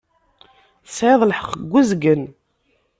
Tesεiḍ lḥeqq deg uzgen.